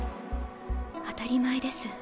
当たり前です。